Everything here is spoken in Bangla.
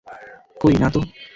কই, নাতো।